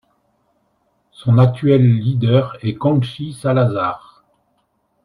Son actuel leader est Conchi Salazar.